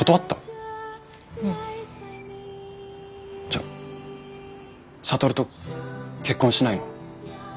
じゃあ智と結婚しないの？